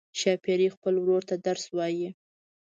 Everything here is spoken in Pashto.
ښاپیرۍ خپل ورور ته درس وايي.